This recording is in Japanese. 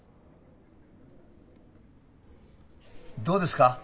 どうですか？